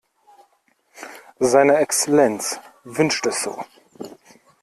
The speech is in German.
Seine Exzellenz wünscht es so.